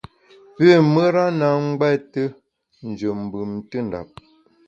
Pü mùra na ngbète njù mbùm ntùndap.